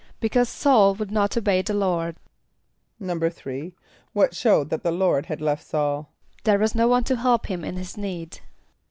=Because S[a:]ul would not obey the Lord.= =3.= What showed that the Lord had left S[a:]ul? =There was no one to help him in his need.